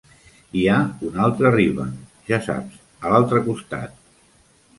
Hi ha una altra riba, ja saps, a l'altre costat.